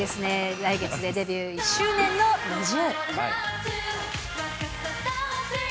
来月でデビュー１周年のＮｉｚｉＵ。